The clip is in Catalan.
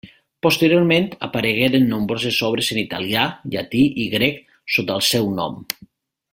Posteriorment aparegueren nombroses obres en italià, llatí i grec sota el seu nom.